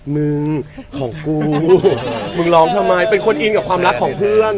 มึงของกูมึงร้องทำไมเป็นคนอินกับความรักของเพื่อน